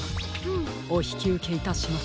おひきうけいたします。